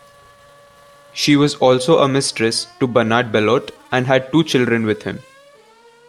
She was also a mistress to Bernard Belot and had two children with him.